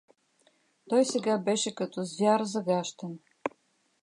Той сега беше като звяр загащен.